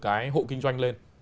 cái hộ kinh doanh lên